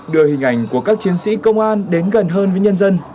đưa hình ảnh của các chiến sĩ công an đến gần hơn với nhân dân